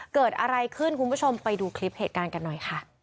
เกิดอะไรขึ้นคุณผู้ชมไปดูคลิปเหตุการณ์กันหน่อย